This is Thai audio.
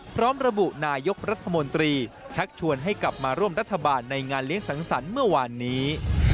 พร้อมระบุนายกรัฐมนตรีชักชวนให้กลับมาร่วมรัฐบาลในงานเลี้ยงสังสรรค์เมื่อวานนี้